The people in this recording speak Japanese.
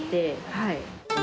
はい。